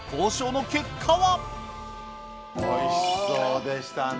おいしそうでしたね。